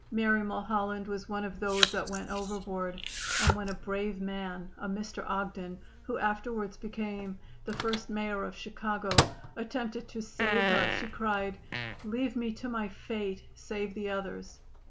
Mary Mulholland was one of those that went overboard, and when a brave man a Mr. Ogden, who afterwards became the first Mayor of Chicago attempted to save her she cried: "Leave me to my fate; save the others."